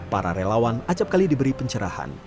para relawan acapkali diberi pencerahan